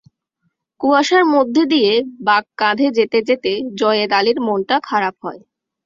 কুয়াশার মধ্যে দিয়ে বাঁক কাঁধে যেতে যেতে জয়েদ আলীর মনটা খারাপ হয়।